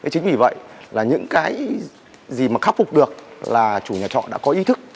chính vì vậy là những cái gì mà khắc phục được là chủ nhà trọ đã có ý thức